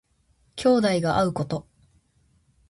兄弟が会うこと。